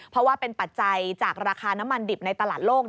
เพราะว่าเป็นปัจจัยจากราคาน้ำมันดิบในตลาดโลก